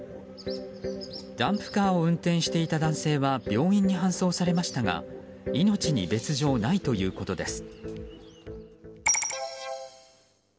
ダンプカーを運転していた男性は病院に搬送されましたが命に別状はないということです。